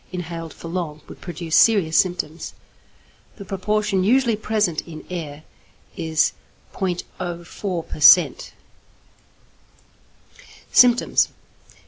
inhaled for long would produce serious symptoms. The proportion usually present in air is 0.04 per cent. _Symptoms.